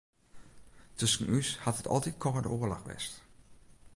Tusken ús hat it altyd kâlde oarloch west.